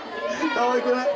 かわいくない？